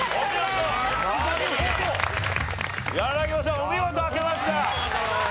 お見事開けました。